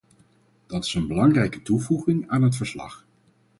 Dat is een belangrijke toevoeging aan het verslag.